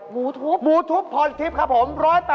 หมูทุบหมูทุบพรทิพย์ครับผม๑๘๐